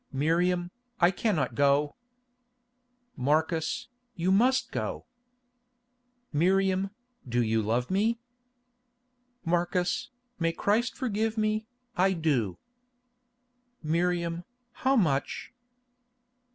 "Miriam, I cannot go." "Marcus, you must go." "Miriam, do you love me?" "Marcus, may Christ forgive me, I do." "Miriam, how much?"